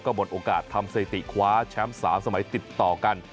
หมดโอกาสทำสถิติคว้าแชมป์๓สมัยติดต่อกัน